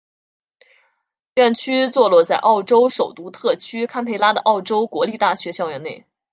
院区座落在澳洲首都特区坎培拉的澳洲国立大学校园内。